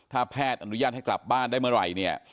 ถ้าแพทย์อนุญาตให้กลับบ้านได้เมื่อไหร่เนี่ย